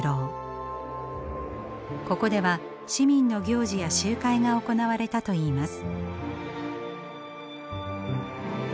ここでは市民の行事や集会が行われたといいます。